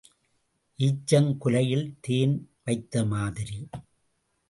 ஈச்சங் குலையில் தேன் வைத்த மாதிரி.